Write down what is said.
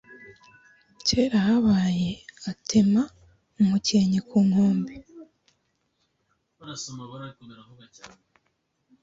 Kera kabaye atema umukenke ku nkombe